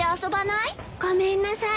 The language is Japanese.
ごめんなさい。